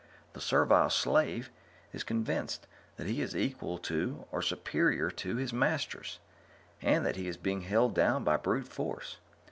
The servile slave is convinced that he is equal to or superior to his masters, and that he is being held down by brute force.